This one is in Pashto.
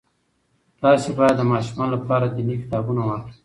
تاسې باید د ماشومانو لپاره دیني کتابونه واخلئ.